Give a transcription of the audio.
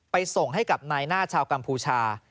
ส่งให้กับนายหน้าชาวกัมพูชา